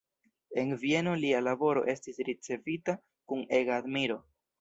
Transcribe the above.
En Vieno lia laboro estis ricevita kun ega admiro.